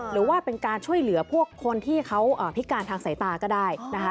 หรือว่าเป็นการช่วยเหลือพวกคนที่เขาพิการทางสายตาก็ได้นะคะ